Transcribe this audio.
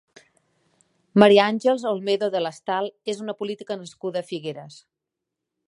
Maria Àngels Olmedo Delestal és una política nascuda a Figueres.